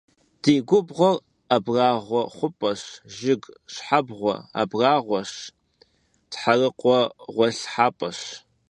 Ди губгъуэр ӏэбгъахъуэ хъупӏэщ, жыг щхьэбгъуэ абгъуалъэщ, тхьэрыкъуэ гъуэлъхьапӏэщ.